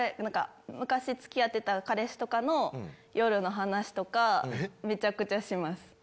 昔付き合ってた彼氏とかの夜の話とかめちゃくちゃします。